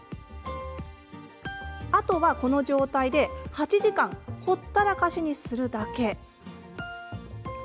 あとはこの状態で８時間ほったらかしにするだけ。